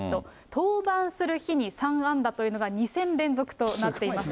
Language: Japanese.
登板する日に３安打というのが２戦連続となっています。